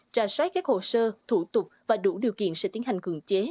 trà sát các hồ sơ thủ tục và đủ điều kiện sẽ tiến hành cưỡng chế